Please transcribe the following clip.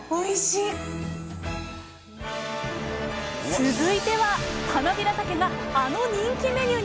続いてははなびらたけがあの人気メニューに！